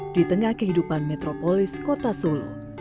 di tengah kehidupan metropolis kota solo